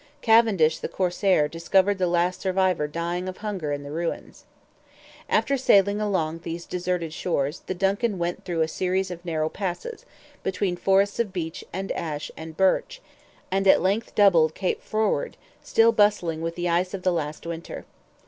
Cavendish the Corsair discovered the last survivor dying of hunger in the ruins. After sailing along these deserted shores, the DUNCAN went through a series of narrow passes, between forests of beech and ash and birch, and at length doubled Cape Froward, still bristling with the ice of the last winter.